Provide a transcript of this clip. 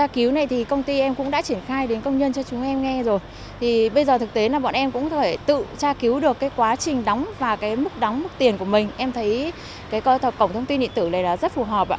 quá trình đóng và mức đóng mức tiền của mình em thấy cơ cộng thông tin điện tử này rất phù hợp